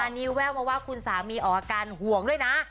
อันนี้แววมาว่าคุณสามีออกอาการห่วงด้วยนะ